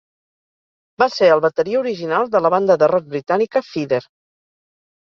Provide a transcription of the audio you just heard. Va ser el bateria original de la banda de rock britànica Feeder.